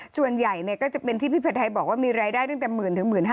ส่วนใหญ่ก็จะเป็นที่พี่ผัดไทยบอกว่ามีรายได้ตั้งแต่หมื่นถึง๑๕๐๐